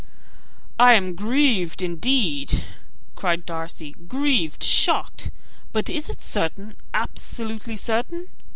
"I am grieved, indeed," cried Darcy: "grieved shocked. But is it certain, absolutely certain?"